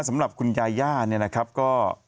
สำหรับคุณยาย่าเนี่ยนะครับก็